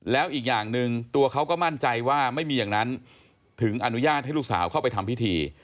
แล้วอีกอย่างหนึ่งตัวเขาก็มั่นใจว่าไม่มีอย่างนั้นถึงอนุญาตให้ลูกสาวเข้าไปทำพิธี